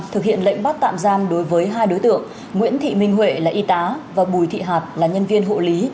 thực hiện lệnh bắt tạm giam đối với hai đối tượng nguyễn thị minh huệ là y tá và bùi thị hạt là nhân viên hộ lý